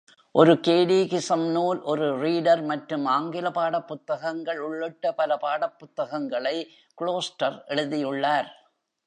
ஒரு கேடீகிசம் நூல், ஒரு ரீடர் மற்றும் ஆங்கில பாடப்புத்தகங்கள் உள்ளிட்ட பல பாடப்புத்தகங்களை க்ளோஸ்டர் எழுதியுள்ளார்.